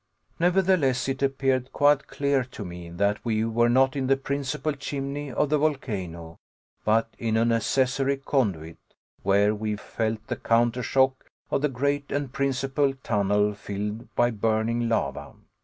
Nevertheless, it appeared quite clear to me, that we were not in the principal chimney of the volcano, but in an accessory conduit, where we felt the counter shock of the great and principal tunnel filled by burning lava.